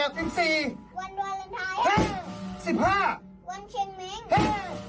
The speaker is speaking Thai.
ก็๑๑มันมี๑๒ตัวไงรวมกันก็เป็นวันอย่างนี้